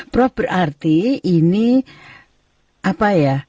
prof berarti ini apa ya